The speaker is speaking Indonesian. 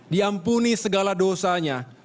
diampuni segala dosanya